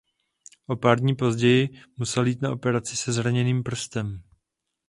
O pár dní později musel jít na operaci se zraněným prstem.